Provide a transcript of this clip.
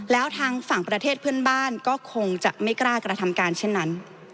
แล้วทางฝั่งประเทศเพื่อนบ้านก็คงจะไม่กล้ากระทำการเช่นนั้น